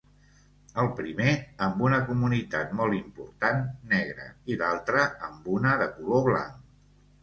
El primer, amb una comunitat molt important negra, i l'altre, amb una de color blanc.